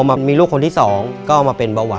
หนูรู้สึกดีมากเลยค่ะ